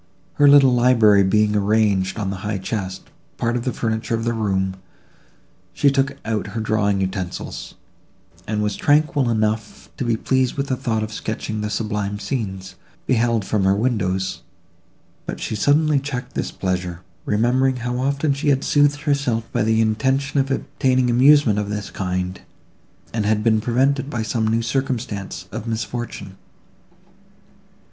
Her little library being arranged on a high chest, part of the furniture of the room, she took out her drawing utensils, and was tranquil enough to be pleased with the thought of sketching the sublime scenes, beheld from her windows; but she suddenly checked this pleasure, remembering how often she had soothed herself by the intention of obtaining amusement of this kind, and had been prevented by some new circumstance of misfortune.